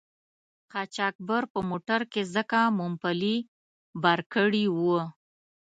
قاچاقبر په موټر کې ځکه مومپلي بار کړي وو.